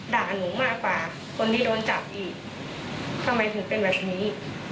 ด่าหนูมากกว่าคนที่โดนจับอีกทำไมถึงเป็นแบบนี้